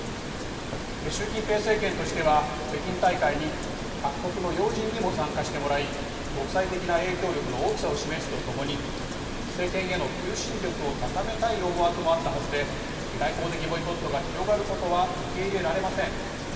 習近平政権としては、北京大会に各国の要人にも参加してもらい、国際的な影響力の大きさを示すとともに、政見への求心力を高めたい思惑もあったはずで、外交的ボイコットが広がることは受け入れられません。